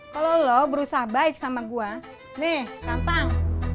kalau lo berusaha baik sama gue nih gampang